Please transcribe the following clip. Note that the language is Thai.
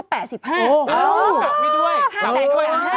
โอ้โฮจับได้ด้วย